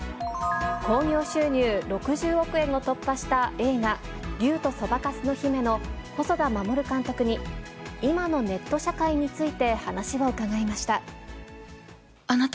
興行収入６０億円を突破した映画、竜とそばかすの姫の細田守監督に、今のネット社会について話を伺いました。